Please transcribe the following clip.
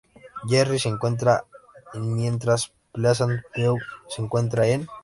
Jerry se encuentra en mientras Pleasant View se encuentra en